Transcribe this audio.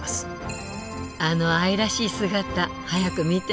あの愛らしい姿早く見てみたい。